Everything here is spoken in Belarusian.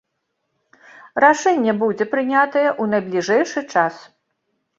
Рашэнне будзе прынятае ў найбліжэйшы час.